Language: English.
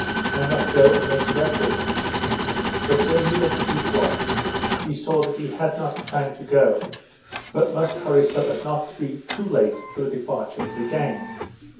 "I must go and make it up with them." But when he looked at his watch he saw that he had not time to go, but must hurry so as not to be too late for the departure of the gang.